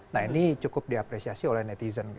nah ini cukup diapresiasi oleh netizen